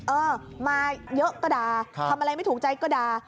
เออมาเยอะก็ด่าทำอะไรไม่ถูกใจก็ด่า